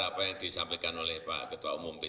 apa yang disampaikan oleh pak ketua umum p tiga